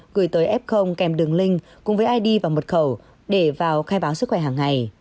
gửi tới f kèm đường link cùng với id và mật khẩu để vào khai báo sức khỏe hàng ngày